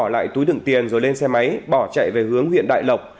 lại túi đựng tiền rồi lên xe máy bỏ chạy về hướng huyện đại lộc